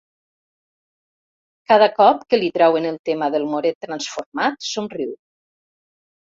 Cada cop que li treuen el tema del moret transformat somriu.